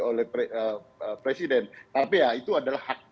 oleh presiden tapi ya itu adalah hak